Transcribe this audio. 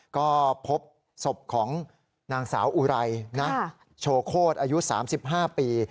ก็พบศพของนางสาวอุไรนะโชโคตรอายุ๓๕ปี